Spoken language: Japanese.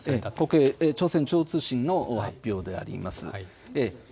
国営朝鮮中央通信の発表であります。